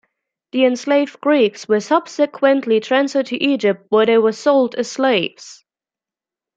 The enslaved Greeks were subsequently transferred to Egypt where they were sold as slaves.